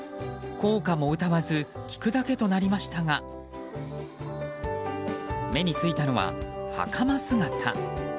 校歌も歌わず聴くだけとなりましたが目についたのは、はかま姿。